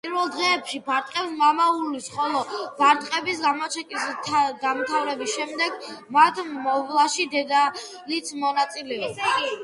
პირველ დღეებში ბარტყებს მამა უვლის, ხოლო ბარტყების გამოჩეკის დამთავრების შემდეგ მათ მოვლაში დედალიც მონაწილეობს.